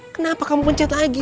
kenapa kamu pencet lagi